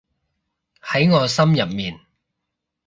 喺我心入面